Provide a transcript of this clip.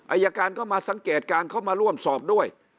อายการก็มาสังเกตการเข้ามาร่วมสอบด้วย